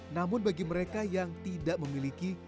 namun bagi mereka yang tidak memiliki